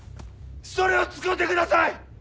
それを使うてください！